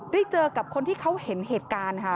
เจอกับคนที่เขาเห็นเหตุการณ์ค่ะ